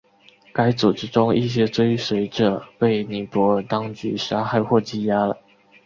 该组织中一些最随着被尼泊尔当局杀害或羁押了。